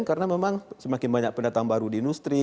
karena memang semakin banyak pendatang baru di industri